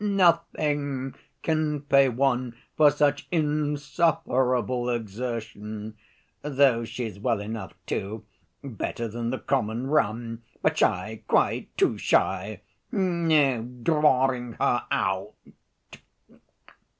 "Nothing can pay one for such insufferable exertion! though she's well enough, too better than the common run but shy, quite too shy; no drawing her out."